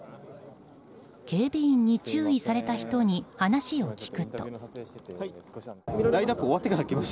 警備員に注意された人に話を聞くと。